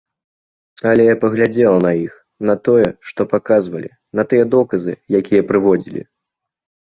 Але я паглядзела на іх, на тое, што паказвалі, на тыя доказы, якія прыводзілі.